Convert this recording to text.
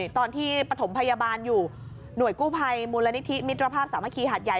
ตอนที่ปฐมพยาบาลอยู่หน่วยกู้ภัยมูลนิธิมิตรภาพสามัคคีหาดใหญ่